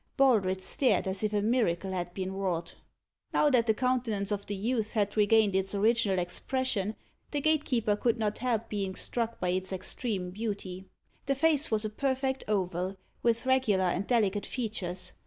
Baldred stared as if a miracle had been wrought. Now that the countenance of the youth had regained its original expression, the gatekeeper could not help being struck by its extreme beauty. The face was a perfect oval, with regular and delicate features.